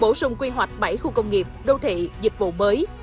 bổ sung quy hoạch bảy khu công nghiệp đô thị dịch vụ mới